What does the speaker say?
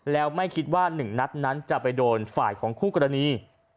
แล้วไม่คิดว่า๑นัดนั้นจะไปโดนฝ่ายของคู่กรณี